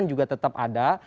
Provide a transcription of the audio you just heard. ini juga tetap ada